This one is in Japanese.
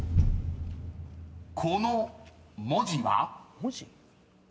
［この文字は？］